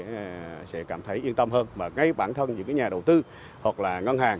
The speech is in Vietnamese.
người dân sẽ cảm thấy yên tâm hơn và ngay bản thân những nhà đầu tư hoặc là ngân hàng